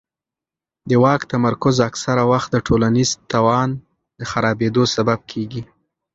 د واک تمرکز اکثره وخت د ټولنیز توازن د خرابېدو سبب کېږي